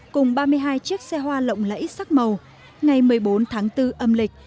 cùng ba mươi hai chiếc xe hoa lộng lẫy sắc màu ngày một mươi bốn tháng bốn âm lịch